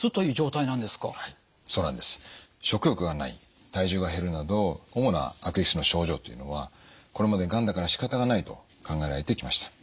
食欲がない体重が減るなど主な悪液質の症状というのはこれまで「がんだからしかたがない」と考えられてきました。